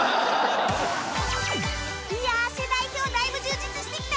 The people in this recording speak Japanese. いやあ世代表だいぶ充実してきたね